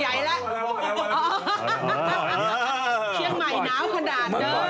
เชียงใหม่หนาวขนาดนี้